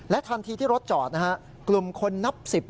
และทันทีที่รถจอดกลุ่มคนนับ๑๐